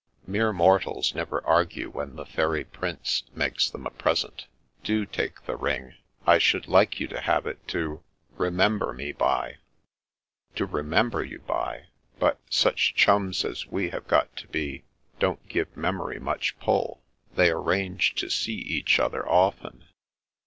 Mere mortals never argue when the fairy Prince makes them a present. Do take the ring. I should like you to have it to— remember me by." To remember you by? But such chtuns as we have got to be don't give memory much pull; they arrange to see each other often."